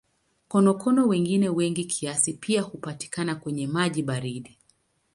Konokono wengine wengi kiasi pia hupatikana kwenye maji baridi.